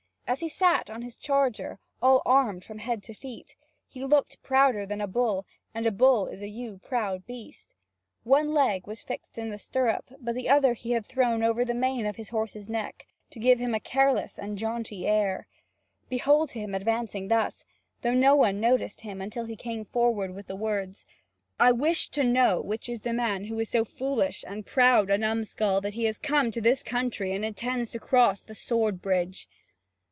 As he sat on his charger, all armed from head to feet, he looked prouder than a bull, and a bull is a yew proud beast. One leg was fixed in the stirrup, but the other he had thrown over the mane of his horse's neck, to give himself a careless and jaunty air. Behold him advancing thus, though no one noticed him until he came forward with the words: "I wish to know which is the man who is so foolish and proud a numskull that he has come to this country and intends to cross the sword bridge.